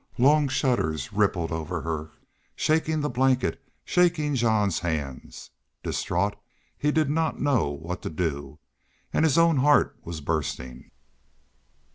Long shudders rippled over her, shaking the blanket, shaking Jean's hands. Distraught, he did not know what to do. And his own heart was bursting.